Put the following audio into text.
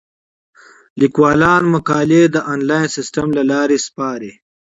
لیکوالان مقالې د انلاین سیستم له لارې سپاري.